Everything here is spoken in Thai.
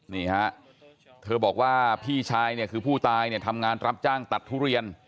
นี่ฮะเธอบอกว่าพี่ชายเนี่ยคือผู้ตายเนี่ยทำงานรับจ้างตัดทุเรียน